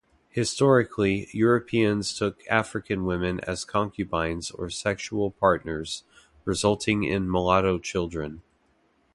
Historically, Europeans took African women as concubines or sexual partners, resulting in mulatto children.